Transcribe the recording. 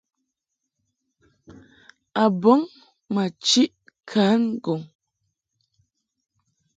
A bɔŋ ma chiʼ kan ŋgɔŋ.